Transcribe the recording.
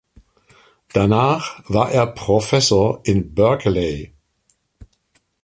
Danach war er Professor in Berkeley.